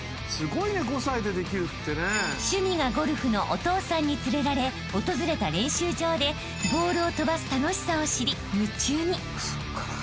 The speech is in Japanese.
［趣味がゴルフのお父さんに連れられ訪れた練習場でボールを飛ばす楽しさを知り夢中に］